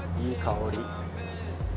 いい香り。